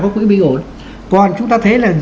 có quỹ bình ổn còn chúng ta thấy là